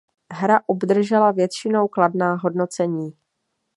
Hra obdržela většinou kladná hodnocení.